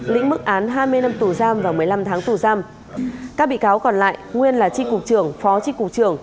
lĩnh mức án hai mươi năm tù giam và một mươi năm tháng tù giam các bị cáo còn lại nguyên là tri cục trưởng phó tri cục trưởng